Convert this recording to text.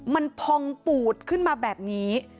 มันพองปูดขึ้นมาแบบนี้